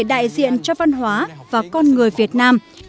đại diện cho văn hóa và con người việt nam